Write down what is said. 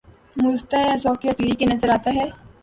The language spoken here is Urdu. مُژدہ ، اے ذَوقِ اسیری! کہ نظر آتا ہے